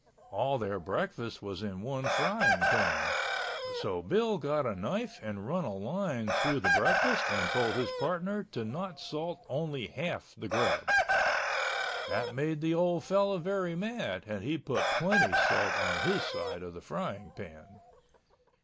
All their breakfast was in one frying pan. So Bill got a knife and run a line through the breakfast and told his partner to not salt only half the grub. That made the old fellow very mad and he put plenty salt on his side of the frying pan.